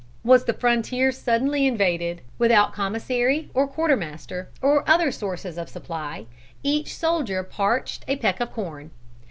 Was the frontier suddenly invaded, without commissary, or quartermaster, or other sources of supply, each soldier parched a peck of corn.